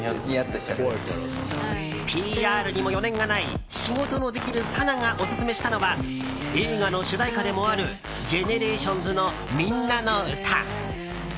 ＰＲにも余念がない仕事のできるさながオススメしたのは映画の主題歌でもあるＧＥＮＥＲＡＴＩＯＮＳの「ミンナノウタ」。